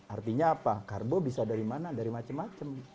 artinya apa karbo bisa dari mana dari macam macam